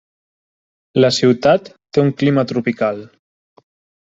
La ciutat té un clima tropical.